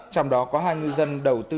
trong đó có hai ngư dân đầu tư